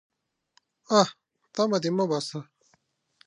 _اه! تمه دې مه باسه.